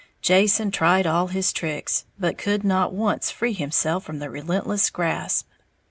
Jason tried all his tricks, but could not once free himself from the relentless grasp.